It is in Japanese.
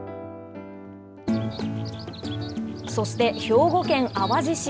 そして兵庫県淡路島。